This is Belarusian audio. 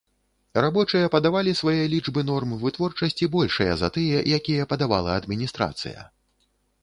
Рабочыя падавалі свае лічбы норм вытворчасці, большыя за тыя, якія падавала адміністрацыя.